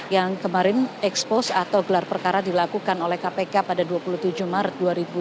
yang kemarin expose atau gelar perkara dilakukan oleh kpk pada dua puluh tujuh maret dua ribu dua puluh